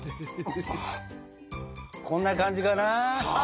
こんな感じかな？